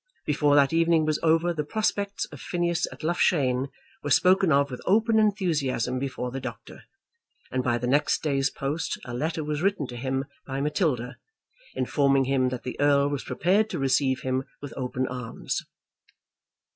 Before that evening was over the prospects of Phineas at Loughshane were spoken of with open enthusiasm before the doctor, and by the next day's post a letter was written to him by Matilda, informing him that the Earl was prepared to receive him with open arms.